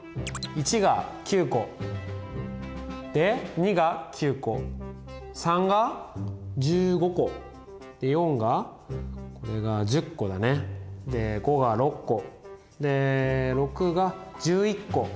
１が９個で２が９個３が１５個で４がこれが１０個だねで５が６個で６が１１個。